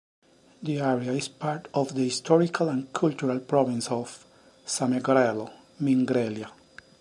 The area is part of the historical and cultural province of Samegrelo (Mingrelia).